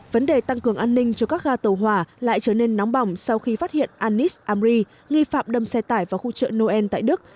vấn đề tăng cường an ninh cho các ga tàu hỏa lại trở nên nóng bỏng sau khi phát hiện annis amri nghi phạm đâm xe tải vào khu chợ noel tại đức